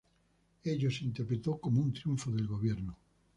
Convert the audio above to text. Ello se interpretó como un triunfo del gobierno.